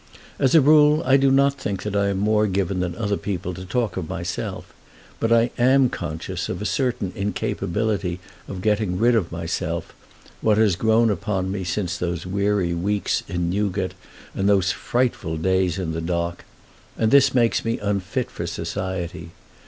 As a rule I do not think that I am more given than other people to talk of myself, but I am conscious of a certain incapability of getting rid of myself what has grown upon me since those weary weeks in Newgate and those frightful days in the dock; and this makes me unfit for society.